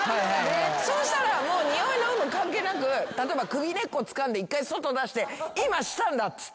そうしたらもうニオイの有無関係なく例えば首根っこつかんで一回外出して今したんだっつって外歩こう。